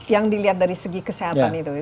yang dilihat dari segi kesehatan itu